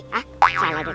hah salah deh kok